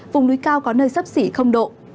vùng núi cao có nơi sấp xỉ độ